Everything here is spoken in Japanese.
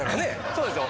そうですよ